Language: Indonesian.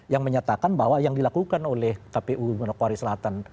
yang menyatakan bahwa yang dilakukan oleh kpu manokwari selatan